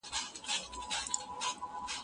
دولت باید د خلګو خیر وغواړي.